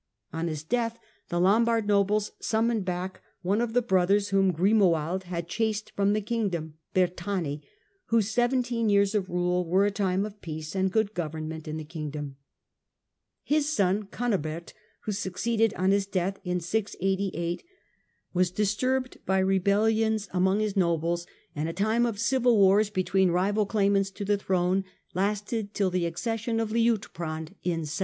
On his death the Lombard nobles sum noned back one of the brothers whom Grimoald had ;hased from the kingdom, Berthani, whose seventeen /ears of rule were a time of peace and good government n the kingdom. His son Cunibert, who succeeded on his death in 688, aras disturbed by rebellions among his nobles, and a 94 THE DAWN OF MEDIEVAL EUROPE time of civil wars between rival claimants to the throne lasted till the accession of Liutprand in 712.